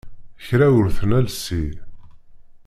Kra ur t-nelsi.